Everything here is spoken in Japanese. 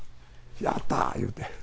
やったー言うて。